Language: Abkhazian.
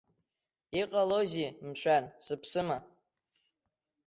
Иҟалозеи, мшәан, сыԥсыма?